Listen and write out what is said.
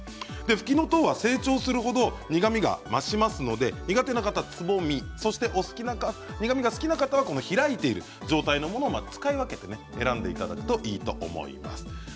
ふきのとうは成長するほど苦みが増しますので苦手な方はつぼみ苦みが好きな方は開いている状態のものを使い分けて選んでいただけるといいと思います。